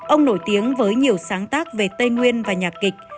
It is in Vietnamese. ông nổi tiếng với nhiều sáng tác về tây nguyên và nhạc kịch